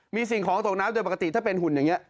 มีสิ่งของตกน้ำโดยปกติถ้าเป็นหุ่นอย่างนี้